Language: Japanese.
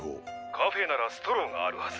カフェならストローがあるはず